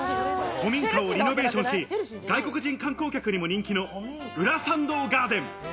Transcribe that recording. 古民家をリノベーションし、外国人観光客にも人気の裏参道ガーデン。